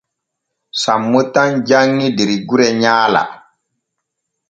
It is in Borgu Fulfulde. Sammo tan janŋi der gure nyaala.